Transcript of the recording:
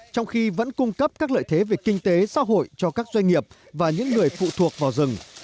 trong khi vẫn cung cấp các lợi thế về kinh tế xã hội cho các doanh nghiệp và những người phụ thuộc vào rừng